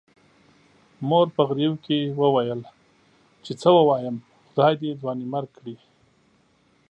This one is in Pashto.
مور په غريو کې وويل چې څه ووايم، خدای دې ځوانيمرګ کړي.